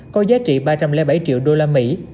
với giá trị ba trăm linh bảy triệu usd